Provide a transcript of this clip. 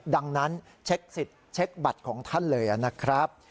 ดังนั้นเช็คสิทธิ์เช็คบัตรของท่านเลยนะครับ